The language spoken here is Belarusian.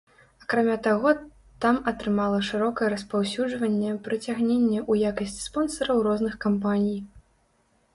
Акрамя таго там атрымала шырокае распаўсюджванне прыцягненне ў якасці спонсараў розных кампаній.